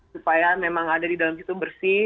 supaya memang ada di dalam situ bersih